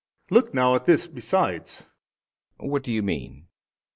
A. Look now at this besides. B. What do you mean?